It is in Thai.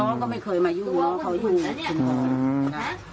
น้องก็ไม่เคยมาอยู่น้องเขาอยู่ชุมฝาน